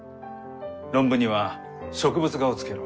論文には植物画をつけろ。